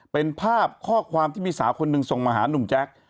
เป็นภาพข้อความที่มีสาวคนหนึ่งส่งมาหานุ่มแจ๊ค